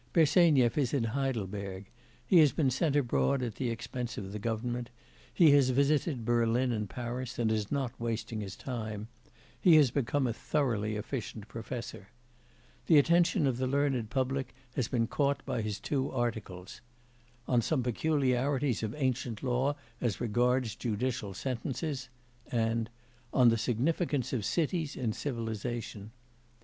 Bersenyev is in Heidelberg; he has been sent abroad at the expense of government; he has visited Berlin and Paris and is not wasting his time; he has become a thoroughly efficient professor. The attention of the learned public has been caught by his two articles: 'On some peculiarities of ancient law as regards judicial sentences,' and 'On the significance of cities in civilisation.